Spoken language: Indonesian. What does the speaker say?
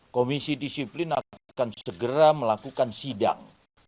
komisi disiplin akan segera melakukan sidang